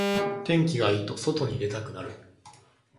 天気がいいと外に出たくなる